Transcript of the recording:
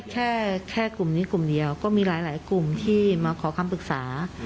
แค่กลุ่มนี้กลุ่มเดียวก็มีหลายกลุ่มที่มาขอคำปรึกษา